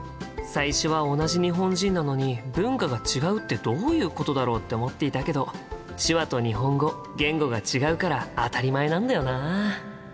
最初は同じ日本人なのに文化が違うってどういうことだろうって思っていたけど手話と日本語言語が違うから当たり前なんだよな。